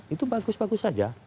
itu bagus bagus saja